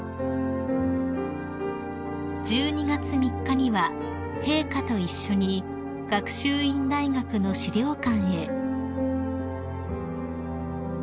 ［１２月３日には陛下と一緒に学習院大学の史料館へ］